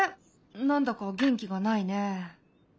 何だか元気がないね。